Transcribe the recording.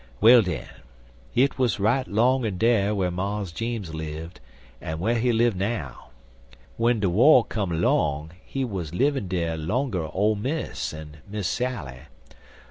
Well, den, it 'uz right long in dere whar Mars Jeems lived, en whar he live now. When de war come long he wuz livin' dere longer Ole Miss en Miss Sally.